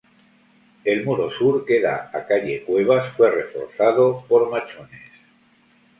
El muro sur, que da a calle Cuevas, fue reforzado por machones.